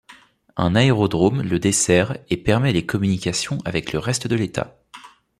Un aérodrome le dessert et permet les communications avec le reste de l'état.